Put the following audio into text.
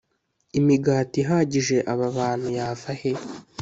imigati ihagije aba bantu yava he?